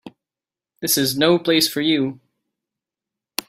This is no place for you.